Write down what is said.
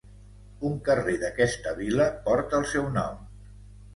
Un carrer d'aquesta vila porta el seu nom.